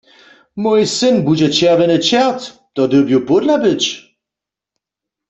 Mój syn budźe Čerwjeny čert, to dyrbju pódla być.